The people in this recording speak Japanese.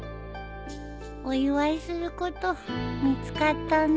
お祝いすること見つかったね。